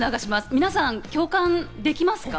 皆さん、共感できますか？